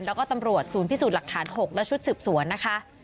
แล้วก็ตำรวจศูนย์พิสูจน์หลักฐาน๖และชุดสืบสวนนะคะ